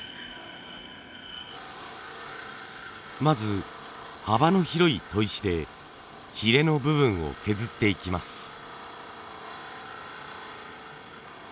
まず幅の広い砥石でヒレの部分を削っていきます。